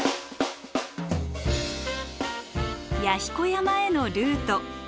弥彦山へのルート。